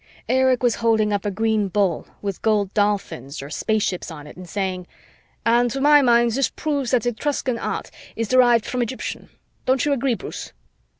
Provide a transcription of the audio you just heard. Erich was holding up a green bowl with gold dolphins or spaceships on it and saying, "And, to my mind, this proves that Etruscan art is derived from Egyptian. Don't you agree, Bruce?"